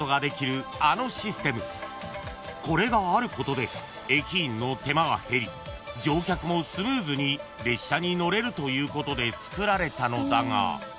［これがあることで駅員の手間が減り乗客もスムーズに列車に乗れるということでつくられたのだが］